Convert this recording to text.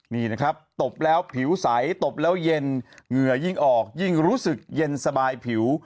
นี่นะครับตบแล้วผิวใสตบแล้วเย็นเหงื่อยิ่งออกยิ่งรู้สึกเย็นสบายผิว